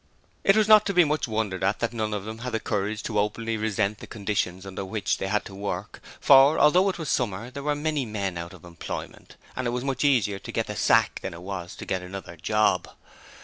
It was not to be much wondered at that none of them had the courage to openly resent the conditions under which they had to work, for although it was summer, there were many men out of employment, and it was much easier to get the sack than it was to get another job.